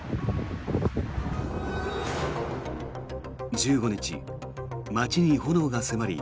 １５日、街に炎が迫り